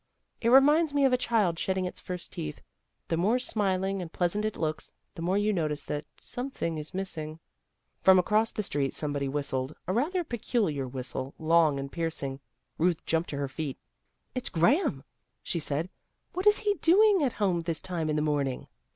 It re minds me of a child shedding its first teeth. The more smiling and pleasant it looks, the more you notice that something is missing." From across the street somebody whistled, THE RETURN OF PEGGY 15 a rather peculiar whistle, long and piercing. Ruth jumped to her feet. " It's Graham," she said. " What is he doing home at this time in the morning?